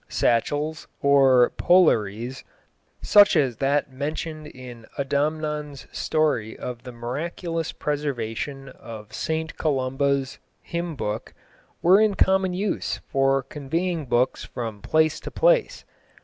Satchels, or polaires, such as that mentioned in Adamnan's story of the miraculous preservation of St Columba's Hymn book, were in common use for conveying books from place to place.